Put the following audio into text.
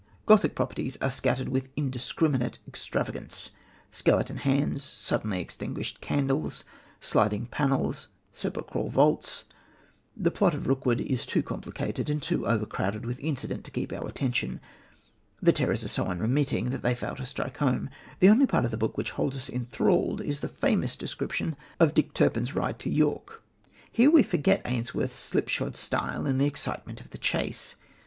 Gothic properties are scattered with indiscriminate extravagance skeleton hands, suddenly extinguished candles, sliding panels, sepulchral vaults. The plot of Rookwood is too complicated and too overcrowded with incident to keep our attention. The terrors are so unremitting that they fail to strike home. The only part of the book which holds us enthralled is the famous description of Dick Turpin's ride to York. Here we forget Ainsworth's slip shod style in the excitement of the chase.